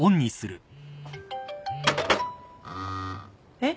えっ？